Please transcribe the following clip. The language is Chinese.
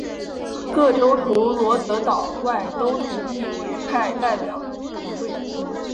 各州除罗德岛外都同意委派代表与会。